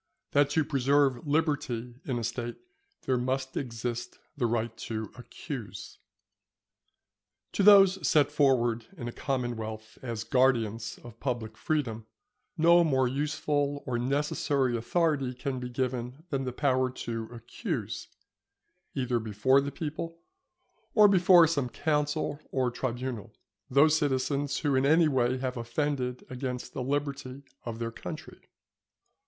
—That to preserve Liberty in a State there must exist the Right to accuse. To those set forward in a commonwealth as guardians of public freedom, no more useful or necessary authority can be given than the power to accuse, either before the people, or before some council or tribunal, those citizens who in any way have offended against the liberty of their country.